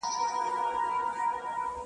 د تورو شپو په لړمانه کي به ډېوې بلېدې -